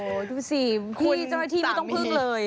โอ้ยดูสิพี่จ้อยที่ไม่ต้องพึ่งเลย